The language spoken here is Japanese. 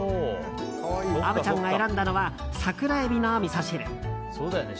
虻ちゃんが選んだのは桜エビのみそ汁。